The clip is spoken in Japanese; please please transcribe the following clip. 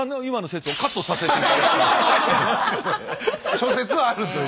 諸説あるという。